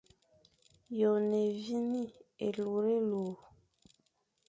Yô e ne évîne, élurélur.